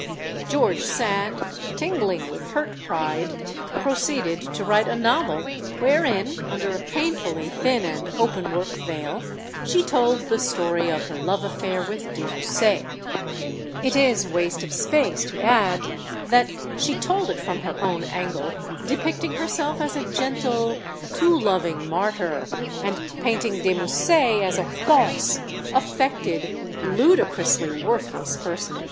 George Sand, tingling with hurt pride, proceeded to write a novel, wherein, under a painfully thin and openwork veil, she told the story of her love affair with de Musset. It is waste of space to add that she told it from her own angle, depicting herself as a gentle, too loving martyr, and painting de Musset as a false, affected, ludicrously worthless personage.